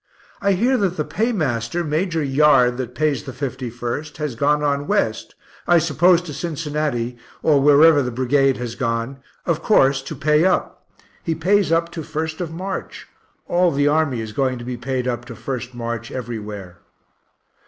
I hear that the paymaster, Major Yard, that pays the 51st, has gone on West, I suppose to Cincinnati, or wherever the brigade has gone of course to pay up he pays up to 1st of March all the Army is going to be paid up to 1st March everywhere.